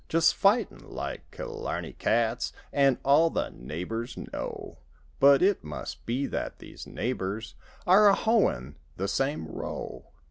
Just fightin' like Killarney cats An' all the neighbors know. But it must be that these neighbors Are a hoein' the same row.